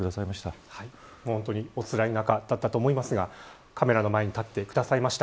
本当におつらい中だったと思いますが、カメラの前に立ってくださいました。